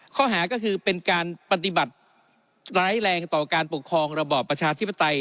ข้อหาก็คือเป็นการปฏิบัติร้ายแรงต่อการปกครองระบอบประชาธิปไตย